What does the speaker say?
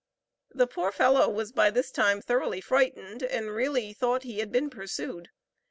The poor fellow was by this time thoroughly frightened, and really thought he had been pursued.